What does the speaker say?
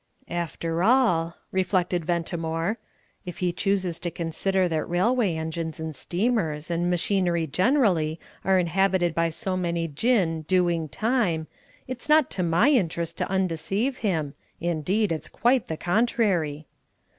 "After all," reflected Ventimore, "if he chooses to consider that railway engines and steamers, and machinery generally, are inhabited by so many Jinn 'doing time,' it's not to my interest to undeceive him indeed, it's quite the contrary!"